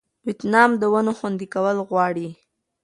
ویتنام د ونو خوندي کول غواړي.